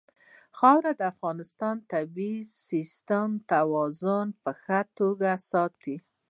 خاوره د افغانستان د طبعي سیسټم توازن په ښه توګه ساتي.